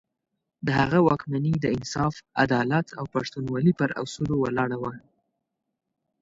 د هغه واکمني د انصاف، عدالت او پښتونولي پر اصولو ولاړه وه.